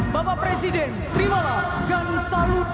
bapak presiden terimalah dan salut